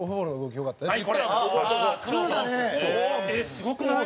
すごくない？